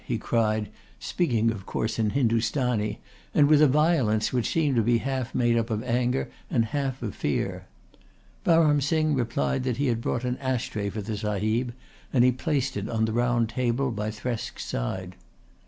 he cried, speaking of course in Hindustani, and with a violence which seemed to be half made up of anger and half of fear. Baram Singh replied that he had brought an ash tray for the Sahib, and he placed it on the round table by Thresk's side.